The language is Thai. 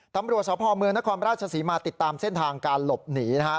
ตำรวจสพเมืองนครราชศรีมาติดตามเส้นทางการหลบหนีนะฮะ